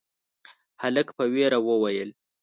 هلک په وېره وويل: